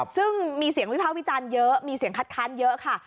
ซึ่งมีเสียงวิภาควิจารณ์เยอะมีเสียงคัดค้านเยอะค่ะ